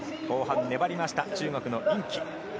後半粘りました、中国のイン・キ。